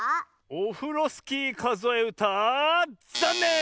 「オフロスキーかぞえうた」ざんねん！